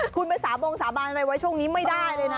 คุณไปสาบงสาบานอะไรไว้ช่วงนี้ไม่ได้เลยนะ